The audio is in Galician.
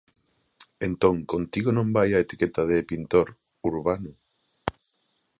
Entón contigo non vai a etiqueta de pintor "urbano"?